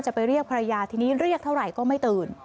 ไปเรียกภรรยาทีนี้เรียกเท่าไหร่ก็ไม่ตื่น